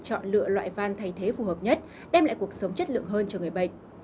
chọn lựa loại van thay thế phù hợp nhất đem lại cuộc sống chất lượng hơn cho người bệnh